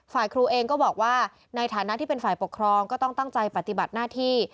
ฝ่ายครูเองก็บอกว่าในฐานะที่เป็นฝ่ายปกครองก็ต้องตั้งใจปฏิบัติหน้าที่